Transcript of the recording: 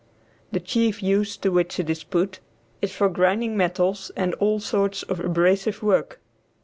The chief use to which it is put is for grinding metals and all sorts of abrasive work.